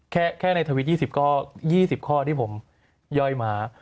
แค่ในทวิต๒๐ข้อ๒๐ข้อที่ผมย่อยมา